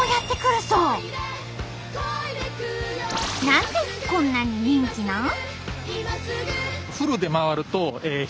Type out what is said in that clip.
何でこんなに人気なん？